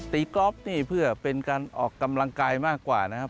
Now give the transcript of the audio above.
กรอบนี่เพื่อเป็นการออกกำลังกายมากกว่านะครับ